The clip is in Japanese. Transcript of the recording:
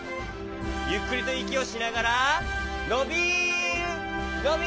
ゆっくりといきをしながらのびるのびるストップ！